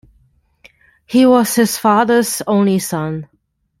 He was his father's only son.